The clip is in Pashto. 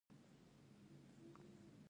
دوی د غلو او کوڅه ډبو انسانانو په څېر ګرځېدل